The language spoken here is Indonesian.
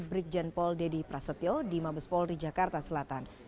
brigjen pol dedy prasetyo di mabes polri jakarta selatan